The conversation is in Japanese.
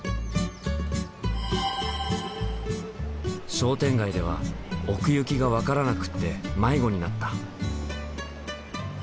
商店街では奥行きが分からなくって迷子になった。